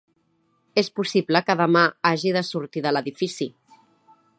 És possible que demà hagi de sortir de l'edifici.